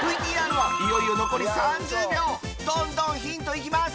ＶＴＲはいよいよ残り３０秒どんどんヒント行きます